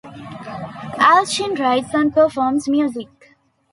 Allchin writes and performs music.